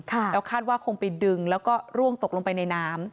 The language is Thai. แล้วคาดว่าคงไปดึงแล้วก็ร่วงตกลงไปในน้ำ